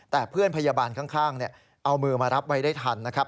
แต่เพื่อนพยาบาลข้างเอามือมารับไว้ได้ทันนะครับ